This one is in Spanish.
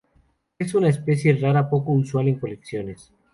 Es una especie rara poco usual en colecciones.